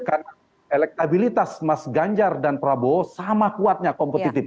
karena elektabilitas mas ganjar dan prabowo sama kuatnya kompetitif